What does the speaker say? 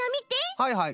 はいはい。